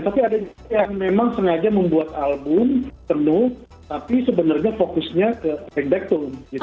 tapi ada yang memang sengaja membuat album penuh tapi sebenarnya fokusnya ke ringback tone gitu